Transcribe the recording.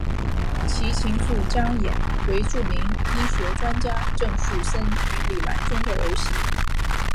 其情妇张琰为著名医学专家郑树森与李兰娟的儿媳。